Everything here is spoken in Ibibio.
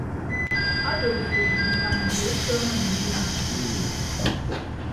Ado afo ye ufan mfo etọọñọ nneme ubaaña awo.